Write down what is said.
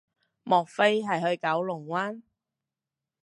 莫非係去九龍灣